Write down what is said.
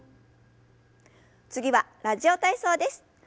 次は「ラジオ体操」です。